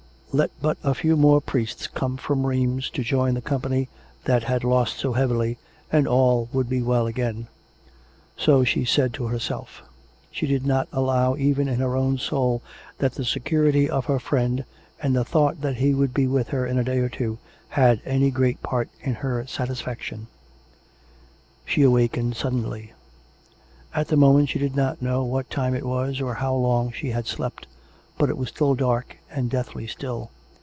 Let but a few more priests come from Rheims to join the company that had lost so heavily, and all would be well again. So she said to herself: she did not allow even in her own soul that the security of her friend and the thought that he would be with her in a day or two, had any great part in her satisfaction. She awaked suddenly. At the moment she did not know what time it was or how long she had slept ; but it was still dark and deathly still.